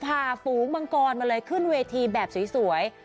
ฝูงมังกรมาเลยขึ้นเวทีแบบสวย